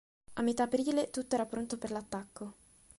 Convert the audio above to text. A metà aprile tutto era pronto per l'attacco.